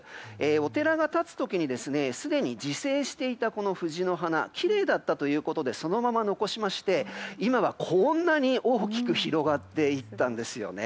お寺が建つ時にすでに自生していた藤の花がきれいだったということでそのまま残しまして今はこんなに大きく広がっていったんですよね。